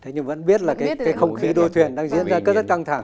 thế nhưng vẫn biết là cái không khí đua thuyền đang diễn ra rất là căng thẳng